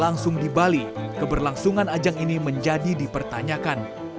langsung di bali keberlangsungan ajang ini menjadi dipertanyakan